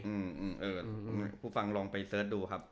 อืมเออผู้ฟังลองไปเสิร์ชดูครับ